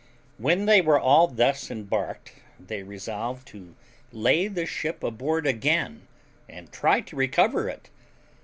When they were all thus embarked, they resolved to lay the ship aboard again, and try to recover it.